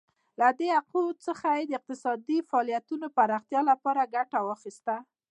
له دې حقونو څخه یې د اقتصادي فعالیتونو پراختیا لپاره ګټه واخیسته.